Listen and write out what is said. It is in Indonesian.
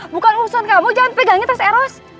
bukan uson kamu jangan pegangin tas eros